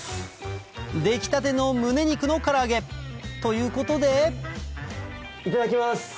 出来たてのむね肉のから揚げということでいただきます！